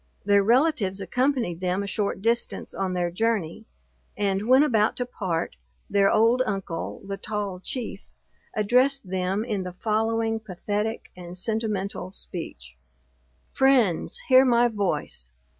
Their relatives accompanied them a short distance on their journey, and when about to part, their old uncle, the Tall Chief, addressed them in the following pathetic and sentimental speech: "Friends, hear my voice!